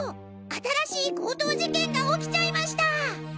新しい強盗事件が起きちゃいました！